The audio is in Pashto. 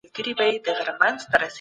ایا په دغه برخه کي کومه پوښتنه لرئ؟